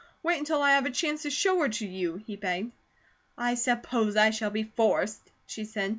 Wait until I have a chance to show her to you!" he begged. "I suppose I shall be forced," she said.